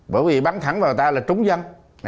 bởi vì bắn thẳng vào tao là trúng dân